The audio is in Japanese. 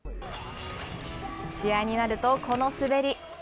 試合になるとこの滑り。